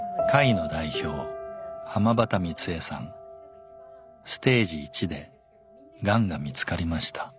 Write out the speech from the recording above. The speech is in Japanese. ステージ１でがんが見つかりました。